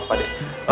maaf pak deh